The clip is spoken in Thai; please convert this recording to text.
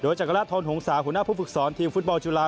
โดยจังรัฐธรรมหงษาหัวหน้าผู้ฝึกสอนทีมฟุตเบาจุฬา